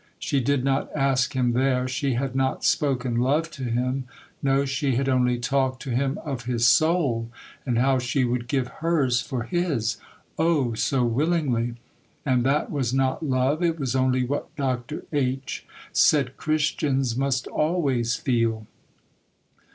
She did not ask him there; she had not spoken love to him; no, she had only talked to him of his soul, and how she would give hers for his,—oh, so willingly!—and that was not love; it was only what Dr. H. said Christians must always feel.